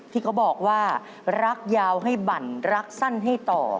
ที่เขาบอกว่ารักยาวให้บั่นรักสั้นให้ต่อ